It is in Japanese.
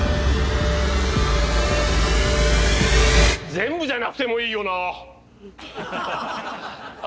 ・全部じゃなくてもいいよな？ああ。